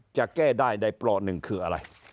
จะแก้ได้ในปลอดภัยหนึ่งคืออะไร